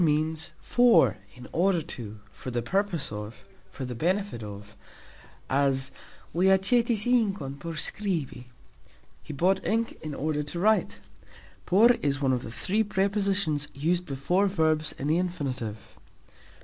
"Por" means "for, in order to, for the purpose of, for the benefit of", as "Li acxetis inkon por skribi", He bought ink in order to write. Por is one of the three prepositions used before verbs in the Infinitive.